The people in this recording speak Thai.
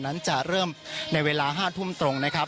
นั้นจะเริ่มในเวลา๕ทุ่มตรงนะครับ